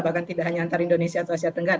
bahkan tidak hanya antara indonesia atau asia tenggara